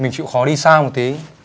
mình chịu khó đi xa một tí